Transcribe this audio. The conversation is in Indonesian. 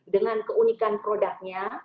dengan keunikan produknya